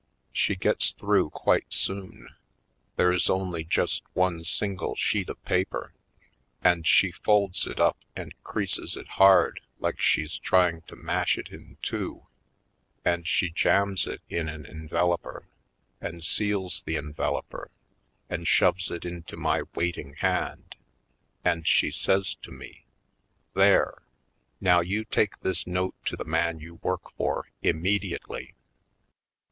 She gets through quite soon — there's only just one single sheet of paper, and she folds it up and creases it hard like she's trying to mash it in two, and she jams it in an enve loper and seals the enveloper and shoves it into my waiting hand, and she says to me : ''There! Now you take this note to the man you work for, immediately!"